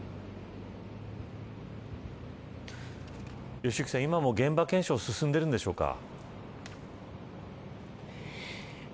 良幸さん、今も現場検証は進んでいるんでしょうか。